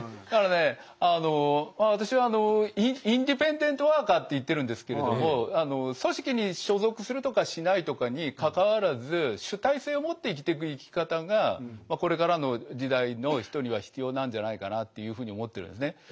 だからね私はあのインディペンデント・ワーカーって言ってるんですけれども組織に所属するとかしないとかにかかわらず主体性を持って生きていく生き方がこれからの時代の人には必要なんじゃないかなっていうふうに思ってるんですね。